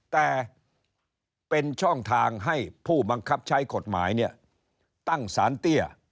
แต่เป็นช่องทางให้ผู้บังคับใช้กฎหมายเนี่ยตั้งสารเตี้ย